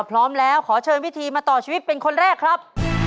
พร้อมแล้วขอเชิญวิธีมาต่อชีวิตเป็นคนแรกครับ